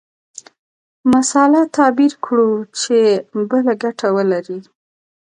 مسأله تعبیر کړو چې بل ګټه ولري.